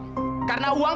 iya nau itutak